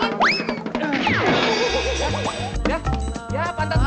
gak ya pantat gua